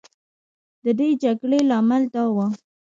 د دې جګړې لامل دا و.